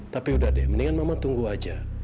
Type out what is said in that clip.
tapi udah deh mendingan mama tunggu aja